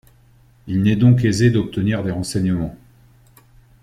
Il n'est donc aisé d'obtenir des renseignements.